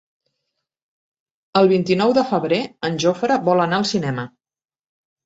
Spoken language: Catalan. El vint-i-nou de febrer en Jofre vol anar al cinema.